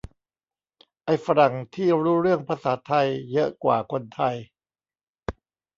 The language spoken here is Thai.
ไอ้ฝรั่งที่รู้เรื่องภาษาไทยเยอะกว่าคนไทย